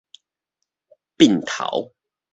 鬢頭